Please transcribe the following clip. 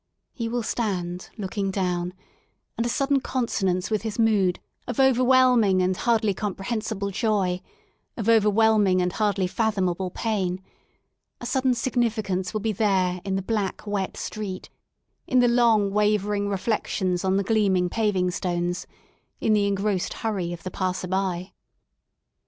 He will stand looking down; and a sudden consonance with his mood, of overwhelming and hardly comprehensible joy, of overivhelming and hardly fathomable pain, a sudden significance will be there in the black wet street, in the long wavering reflections on the gleam ing paving stones, in the engrossed hurry of the passer by.